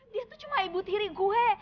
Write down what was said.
dia tuh cuma ibu tiri gue